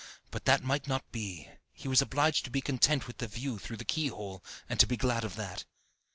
But that might not be, he was obliged to be content with the view through the keyhole, and to be glad of that.